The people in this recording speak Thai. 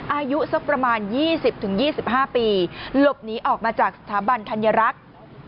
อายุสักประมาณ๒๐๒๕ปีหลบหนีออกมาจากสถาบันธัญรักษ์